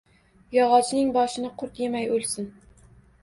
Yog‘ochning bo‘shini qurt yemay o‘lsin.